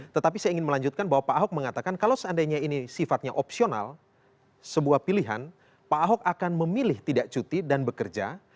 tetapi saya ingin melanjutkan bahwa pak ahok mengatakan kalau seandainya ini sifatnya opsional sebuah pilihan pak ahok akan memilih tidak cuti dan bekerja